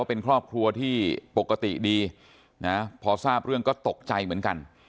เป็นครอบครัวที่ปกติดีนะพอทราบเรื่องก็ตกใจเหมือนกัน